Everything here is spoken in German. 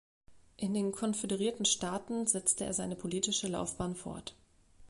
In den Konföderierten Staaten setzte er seine politische Laufbahn fort.